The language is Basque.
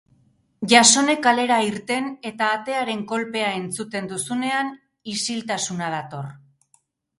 Jasone kalera irten eta atearen kolpea entzuten duzunean, isiltasuna dator.